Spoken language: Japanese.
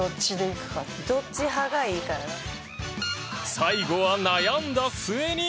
最後は悩んだ末に。